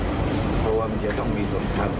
เเมื่อมันจะคงมีสมทรรพ์